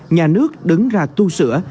nhà nước đứng ra tu sửa